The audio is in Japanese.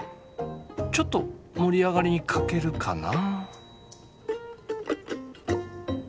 ちょっと盛り上がりに欠けるかな。